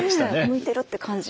向いてるって感じ。